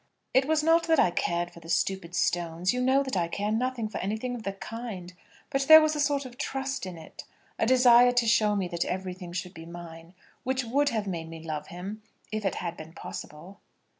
"It was not that I cared for the stupid stones. You know that I care nothing for anything of the kind. But there was a sort of trust in it, a desire to show me that everything should be mine, which would have made me love him, if it had been possible."